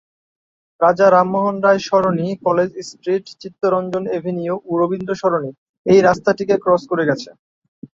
রাজা Rammohan Roy Sarani, College Street, Chittaranjan Avenue ও রবীন্দ্র সরণি এই রাস্তাটিকে ক্রস করে গেছে।